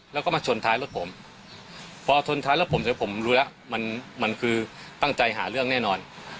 แล้วก็มาชนท้ายรถผมพอชนท้ายรถผมเสร็จผมรู้แล้วมันคือตั้งใจหาเรื่องแน่นอน